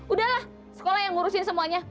udahlah sekolah yang ngurusin semuanya